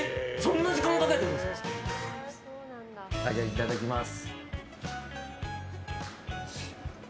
いただきます。